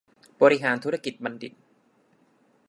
บริหารธุรกิจบัณฑิต